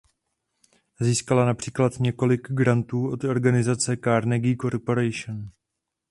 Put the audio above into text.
Získala například několik grantů od organizace Carnegie Corporation.